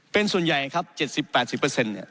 เป็นส่วนใหญ่ครับ๗๐๘๐เนี่ย